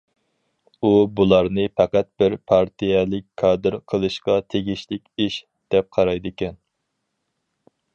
ئۇ بۇلارنى پەقەت بىر پارتىيەلىك كادىر قىلىشقا تېگىشلىك ئىش، دەپ قارايدىكەن.